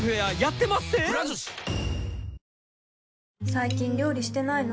最近料理してないの？